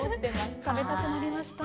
食べたくなりました。